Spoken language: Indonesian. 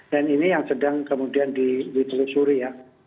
dan ini yang sedang kemudian di ditelusuri ya